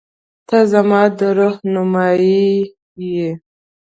• ته زما د روح نیمه یې.